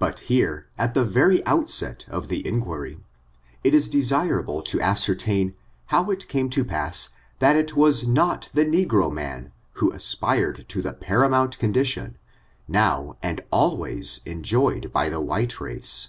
But here, at the very outset of the inquiry, it ia de sirable to ascertain how it came to pass that it was not the negro man who aspired to the paramount con dition, now and always enjoyed by the white race.